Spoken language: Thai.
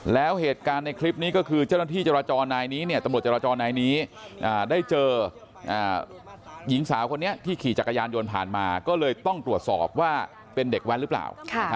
แล้วเหตุการณ์ในคลิปนี้ก็คือเจ้าหน้าที่จราจรนายนี้เนี่ยตำรวจจราจรนายนี้ได้เจอหญิงสาวคนนี้ที่ขี่จักรยานยนต์ผ่านมาก็เลยต้องตรวจสอบว่าเป็นเด็กแว้นหรือเปล่า